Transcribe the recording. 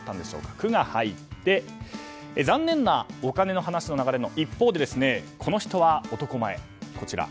「ク」が入って残念なお金の話の流れの一方で一方で、この人は男前。